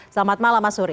selamat malam mas sury